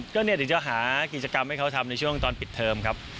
ก็จะหากิจกรรมให้เขาทำในช่วงตอนปิดเทอมครับ